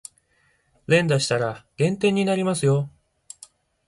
連打したら減点になりますよ